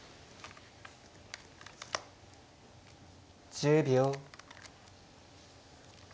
１０秒。